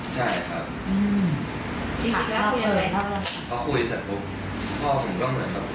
ใช่ครับ